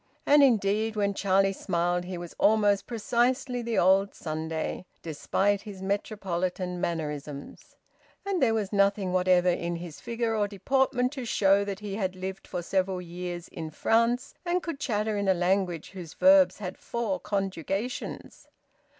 And indeed, when Charlie smiled, he was almost precisely the old Sunday, despite his metropolitan mannerisms. And there was nothing whatever in his figure or deportment to show that he had lived for several years in France and could chatter in a language whose verbs had four conjugations.